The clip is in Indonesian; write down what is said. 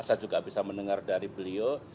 saya juga bisa mendengar dari beliau